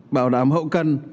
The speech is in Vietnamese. bảo đảm hậu cần